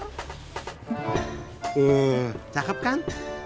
eh cakep kan